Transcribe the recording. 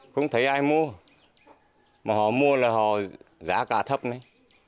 không thấy ai mua mà họ mua là họ giá cả thấp này